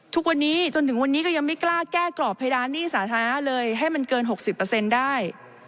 ทุกวันนี้จนถึงวันนี้ก็ยังไม่กล้าแก้กรอบเพดานหนี้สาธารณะเลยให้มันเกิน๖๐ได้